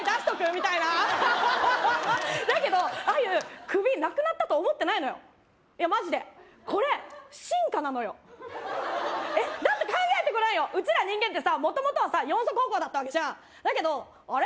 みたいなアハハハハハだけどアユ首なくなったと思ってないのよいやマジでこれ進化なのよえっだって考えてごらんようちら人間ってさ元々はさ四足歩行だったわけじゃんだけどあれ？